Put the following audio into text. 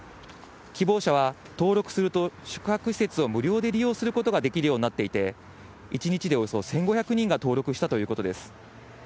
希望者は登録すると宿泊施設を無料で利用することができるようになっていて、１日でおよそ１５００人が登録したということです。